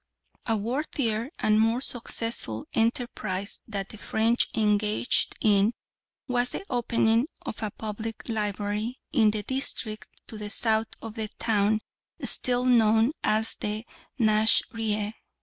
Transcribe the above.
A worthier and more successful enterprise that the French engaged in was the opening of a public library in the district to the south of the town still known as the Nasrieh.